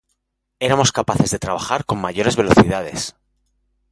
Éramos capaces de trabajar con mayores velocidades.